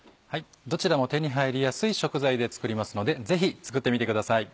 どちらも手に入りやすい食材で作りますのでぜひ作ってみてください。